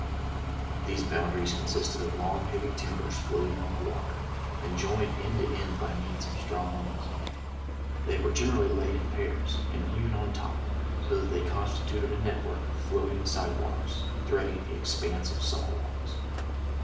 Those boundaries consisted of long heavy timbers floating on the water, and joined end to end by means of strong links. They were generally laid in pairs, and hewn on top, so that they constituted a network of floating sidewalks threading the expanse of saw logs.